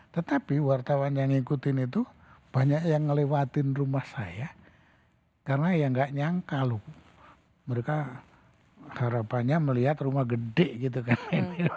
tetapi wartawan yang ngikutin itu banyak yang ngelewatin rumah saya karena ya nggak nyangka loh mereka harapannya melihat rumah gede gitu kan